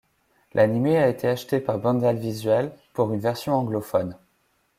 L'anime a été acheté par Bandai Visual pour une version anglophone.